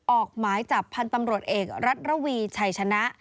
ออกหมายจับพันธ์ตำรวจเอกรัฐระวีชัยชนะ